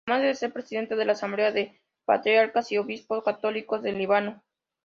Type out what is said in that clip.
Además de ser Presidente de la Asamblea de Patriarcas y Obispos Católicos de Líbano.